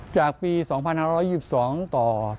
จากปี๒๕๒๒ต่อ๒๕๒๖